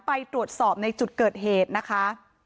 ไปตรวจสอบในจุดเกิดเหตุนะคะ